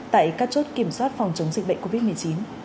tại các chốt kiểm soát phòng chống dịch bệnh covid một mươi chín